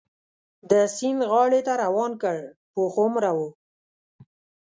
د سیند غاړې ته روان کړ، پوخ عمره و.